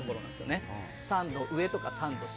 ３度上とか３度下。